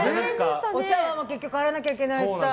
お茶碗も洗わなきゃいけないしさ。